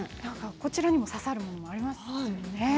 こちらにも刺さるものがありましたね。